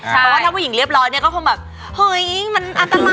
เพราะว่าถ้าผู้หญิงเรียบร้อยเนี่ยก็คงแบบเฮ้ยมันอันตราย